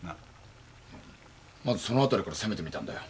まずそのあたりから攻めてみたんだよ。